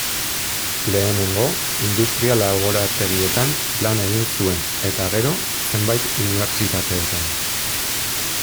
Lehenengo, industria-laborategietan lan egin zuen, eta, gero, zenbait unibertsitatetan.